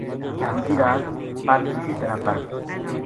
دُوجی رات پل اسے طرح بَر